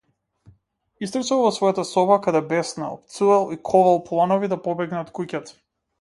Истрчал во својата соба каде беснеел, пцуел и ковал планови да побегне од куќата.